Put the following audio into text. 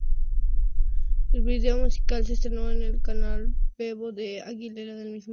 El vídeo musical se estrenó en el canal Vevo de Aguilera el mismo día.